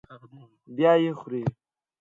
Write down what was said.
بیا یې خوري.